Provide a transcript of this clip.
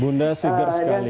bunda seger sekali